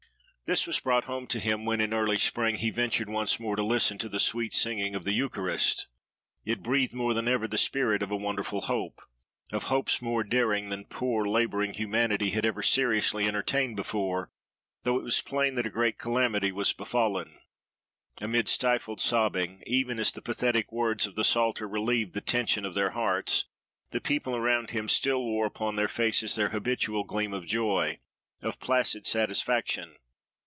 This was brought home to him, when, in early spring, he ventured once more to listen to the sweet singing of the Eucharist. It breathed more than ever the spirit of a wonderful hope—of hopes more daring than poor, labouring humanity had ever seriously entertained before, though it was plain that a great calamity was befallen. Amid stifled sobbing, even as the pathetic words of the psalter relieved the tension of their hearts, the people around him still wore upon their faces their habitual gleam of joy, of placid satisfaction.